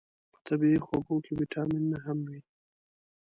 په طبیعي خوږو کې ویتامینونه هم وي.